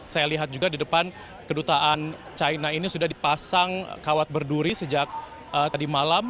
saya lihat juga di depan kedutaan china ini sudah dipasang kawat berduri sejak tadi malam